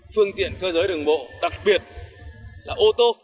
phương tiện cơ giới đường bộ đặc biệt là ô tô